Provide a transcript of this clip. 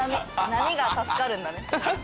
波が助かるんだね。